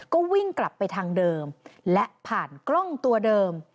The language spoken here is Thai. ก็วิ่งกลับไปทางเดิมและผ่านกล้องตัวเดิม